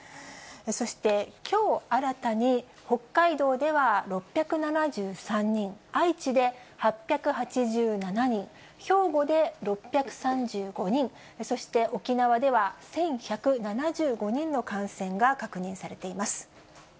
そして、きょう新たに北海道では６７３人、愛知で８８７人、兵庫で６３５人、そして沖縄では１１７５人の感染が確認されています。